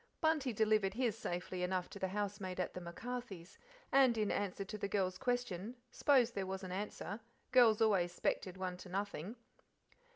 Bunty delivered his safely enough to the housemaid at the MacCarthys', and in answer to the girl's question "s'posed there was an answer, girls always 'spected one to nothing."